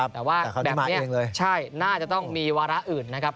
แต่ว่าแบบนี้ใช่น่าจะต้องมีวาระอื่นนะครับ